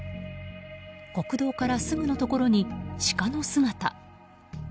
国道からすぐのところにシカの姿。